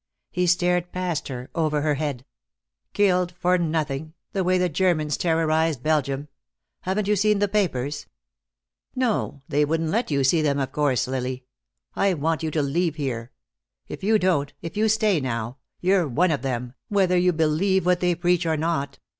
He stared past her, over her head. "Killed for nothing, the way the Germans terrorized Belgium. Haven't you seen the papers?" "No, they wouldn't let you see them, of course. Lily, I want you to leave here. If you don't, if you stay now, you're one of them, whether you believe what they preach or not.